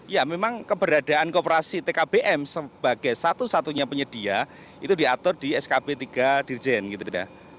ya memang keberadaan kooperasi tkbm sebagai satu satunya penyedia itu diatur di skb tiga dirjen gitu ya